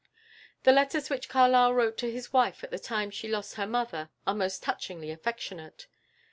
The letters which Carlyle wrote to his wife at the time she lost her mother are most touchingly affectionate.